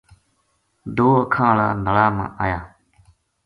دو اکھاں ہالا نلا ما آیا